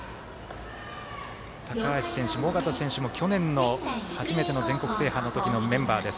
高橋選手も、尾形選手も去年の初めての全国制覇の時のメンバーです。